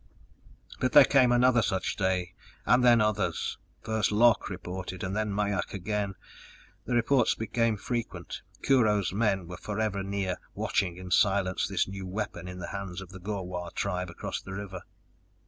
But there came another such day, and then others. First Lok reported and then Mai ak again. The reports became frequent. Kurho's men were forever near, watching in silence this new weapon in the hands of the Gor wah tribe across the river.